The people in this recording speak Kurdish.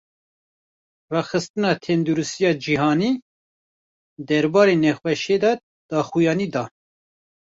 Rêxistina Tendurustiya Cîhanî, derbarê nexweşiyê de daxuyanî da